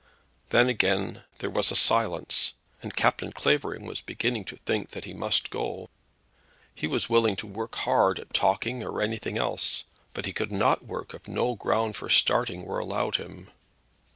Then again there was a silence, and Captain Clavering was beginning to think that he must go. He was willing to work hard at talking or anything else; but he could not work if no ground for starting were allowed to him.